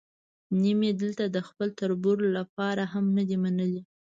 نیم یې دلته د خپل تربور لپاره هم نه دی منلی.